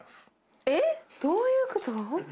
えっどういうこと？